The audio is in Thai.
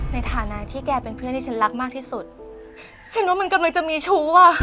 ในฐานะที่แกเป็นเพื่อนที่ฉันรักมากที่สุดฉันว่ามันกำลังจะมีชู้อ่ะ